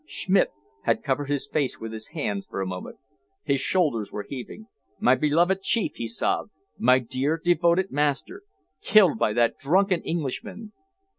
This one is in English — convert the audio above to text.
Schmidt had covered his face with his hands for a moment. His shoulders were heaving. "My beloved chief!" he sobbed. "My dear devoted master! Killed by that drunken Englishman!"